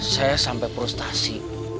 saya sampai prostasi